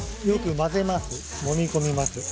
よくもみ込みます。